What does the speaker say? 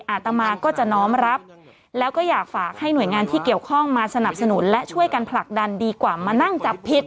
อาตมาก็จะน้อมรับแล้วก็อยากฝากให้หน่วยงานที่เกี่ยวข้องมาสนับสนุนและช่วยกันผลักดันดีกว่ามานั่งจับผิด